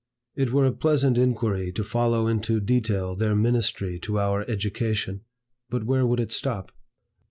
It were a pleasant inquiry to follow into detail their ministry to our education, but where would it stop?